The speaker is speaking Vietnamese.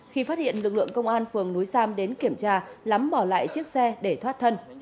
khi phát hiện lực lượng công an phường núi sam đến kiểm tra lắm bỏ lại chiếc xe để thoát thân